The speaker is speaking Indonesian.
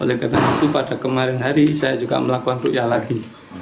oleh karena itu pada kemarin hari saya juga melakukan rukyah lagi